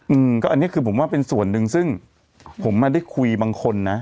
อืมก็อันนี้คือผมว่าเป็นส่วนหนึ่งซึ่งผมไม่ได้คุยบางคนนะ